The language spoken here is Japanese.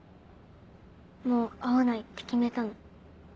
もう会わないって決めたの。